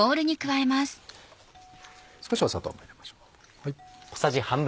少し砂糖も入れましょう。